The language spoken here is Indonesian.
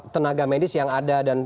tenaga medis yang ada